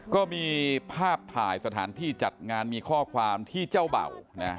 ก็มีภาพถ่ายสถานที่จัดงานมีข้อความที่เจ้าเบ่า